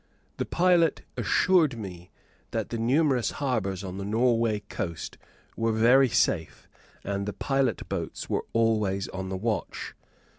The pilot assured me that the numerous harbours on the Norway coast were very safe, and the pilot boats were always on the watch.